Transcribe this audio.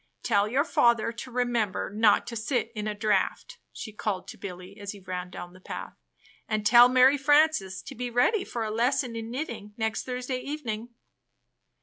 "Tell your father to remember not to sit in a draft," she called to Billy as he ran down the path, "and tell Mary Frances to be ready for a lesson in knitting next Thursday evening."